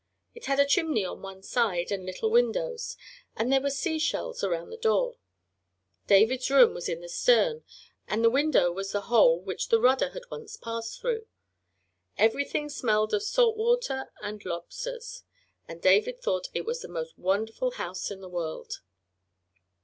It had a chimney on one side and little windows, and there were sea shells around the door. David's room was in the stern, and the window was the hole which the rudder had once passed through. Everything smelled of salt water and lobsters, and David thought it was the most wonderful house in the world.